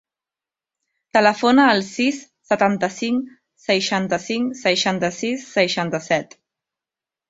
Telefona al sis, setanta-cinc, seixanta-cinc, seixanta-sis, seixanta-set.